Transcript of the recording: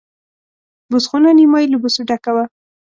بوس خونه نیمایي له بوسو ډکه وه.